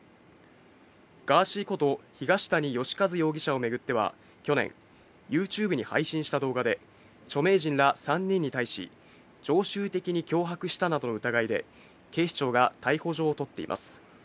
ガーシーこと東谷義和容疑者を巡っては去年、ＹｏｕＴｕｂｅに配信した動画で、著名人ら３人に対し、常習的に脅迫したなどの疑いで、警視庁が逮捕状を取っています。